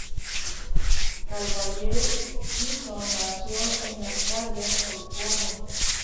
Caldwell Dyson nació en Arcadia, California.